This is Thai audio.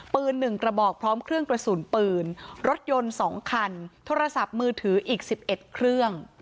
๑กระบอกพร้อมเครื่องกระสุนปืนรถยนต์๒คันโทรศัพท์มือถืออีก๑๑เครื่อง